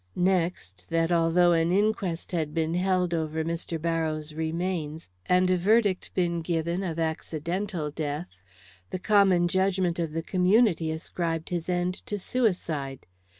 Next, that although an inquest had been held over Mr. Barrows' remains, and a verdict been given of accidental death, the common judgment of the community ascribed his end to suicide.